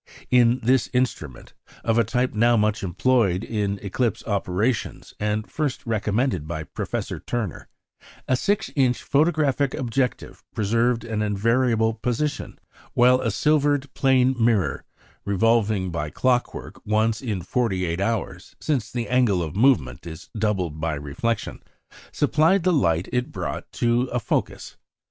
In this instrument, of a type now much employed in eclipse operations and first recommended by Professor Turner, a six inch photographic objective preserved an invariable position, while a silvered plane mirror, revolving by clockwork once in forty eight hours (since the angle of movement is doubled by reflection), supplied the light it brought to a focus.